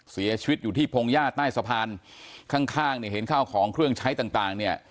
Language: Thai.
เสียชีวิตอยู่ที่พงญาติในสะพานข้างเนี่ยเห็นข้าวของเครื่องใช้ต่างเนี่ย